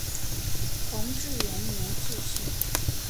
弘治元年致仕。